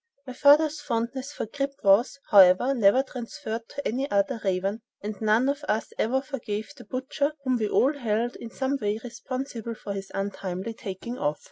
My father's fondness for "Grip" was, however, never transferred to any other raven, and none of us ever forgave the butcher whom we all held in some way responsible for his untimely taking off.